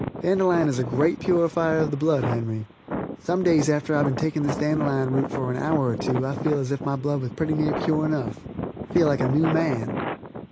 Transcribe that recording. Dandelion is a great purifier of the blood, Henry. Some days after I've been taking this dandelion root for an hour or two I feel as if my blood was pretty near pure enough. I feel like a new man.